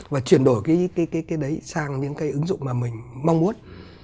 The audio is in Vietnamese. và chuyển đổi cái đấy sang những cái ứng dụng mà mình mong muốn